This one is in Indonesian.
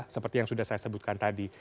seperti yang sudah saya sebutkan tadi